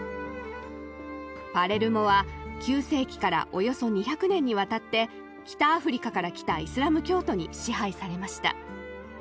パレルモは９世紀からおよそ２００年にわたって北アフリカから来たイスラム教徒に支配されました。